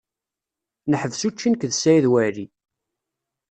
Neḥbes učči nekk d Saɛid Waɛli.